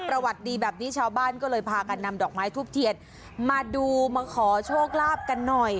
สวัสดีแบบนี้ชาวบ้านก็เลยพากันนำดอกไม้ทุบเทียนมาดูมาขอโชคลาภกันหน่อย